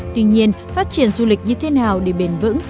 tuy nhiên phát triển du lịch như thế nào để bền vững